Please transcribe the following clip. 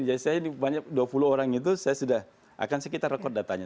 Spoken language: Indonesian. jadi saya ini banyak dua puluh orang itu saya sudah akan sekitar rekod datanya